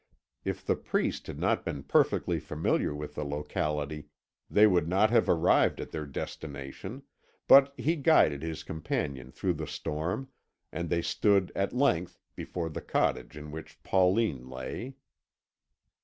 If the priest had not been perfectly familiar with the locality, they would not have arrived at their destination, but he guided his companion through the storm, and they stood at length before the cottage in which Pauline lay.